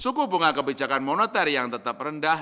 suku bunga kebijakan moneter yang tetap rendah